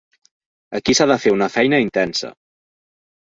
Aquí s’ha de fer una feina intensa.